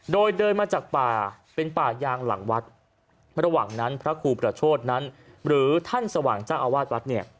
โดยเดินมาจากป่าเป็นป่ายางหลังวัดระหว่างนั้นพระครูประโชธนั้นหรือท่านสว่างเจ้าอาวาสวัดเนี่ย